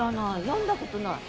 読んだことない。